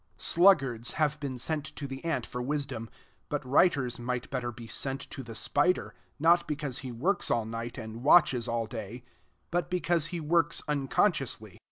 Sluggards have been sent to the ant for wisdom; but writers might better be sent to the spider, not because he works all night, and watches all day, but because he works unconsciously.